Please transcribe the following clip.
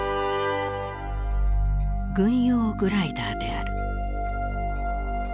軍用グライダーである。